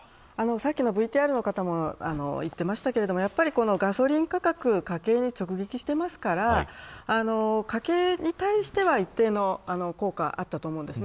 さっきのＶＴＲの方も言っていましたけどガソリン価格家計に直撃していますから家計に対しては一定の効果があったと思うんです。